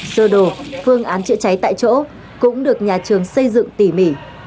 các phòng cháy chữa cháy tại chỗ cũng được nhà trường xây dựng tỉ mỉ